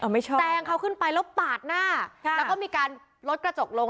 ไม่ใช่แตงเขาขึ้นไปแล้วปาดหน้าแล้วก็มีการลดกระจกลง